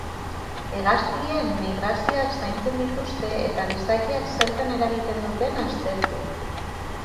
Hegaztien migrazioak zaintzen dituzte eta gizakiak zertan eragiten duen aztertu.